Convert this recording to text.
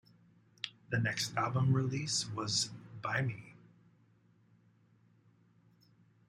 The next album release was Buy Me...